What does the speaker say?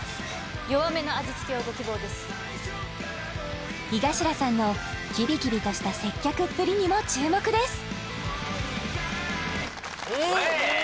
弱めな味付けをご希望です井頭さんのキビキビとした接客っぷりにも注目ですうん！